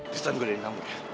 ristan gue dari kamu ya